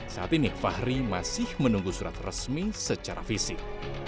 saat ini fahri masih menunggu surat resmi secara fisik